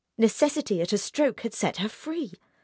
Necessity at a stroke had set her free.